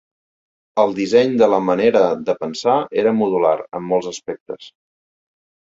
El disseny de la manera de pensar era modular en molts aspectes.